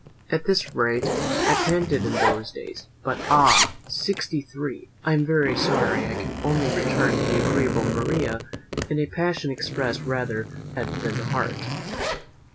At this rate I panted in those days; but ah! sixty three! I am very sorry I can only return the agreeable Maria a passion expressed rather from the head than the heart.